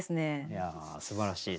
いやすばらしい。